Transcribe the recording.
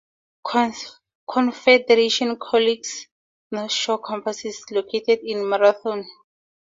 Confederation College's Northshore campus is located in Marathon, Ontario.